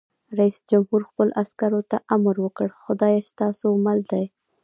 رئیس جمهور خپلو عسکرو ته امر وکړ؛ خدای ستاسو مل دی!